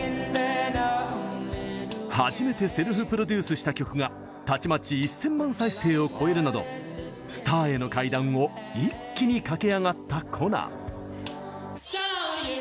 初めてセルフプロデュースした曲がたちまち１０００万再生を超えるなどスターへの階段を一気に駆け上がったコナン。